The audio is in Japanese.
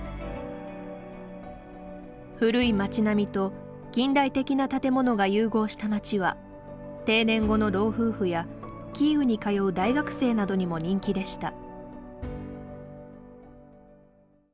古い町並みと近代的な建物が融合した町は定年後の老夫婦やキーウに通う大学生などにも人気でした。